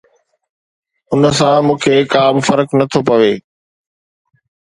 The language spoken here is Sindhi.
ان سان مون کي ڪا به فرق نه ٿو پوي.